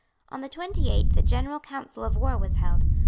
On the twenty eighth a general council of war was held.